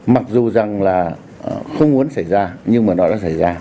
mặc dù rằng là không muốn xảy ra nhưng mà nó đã xảy ra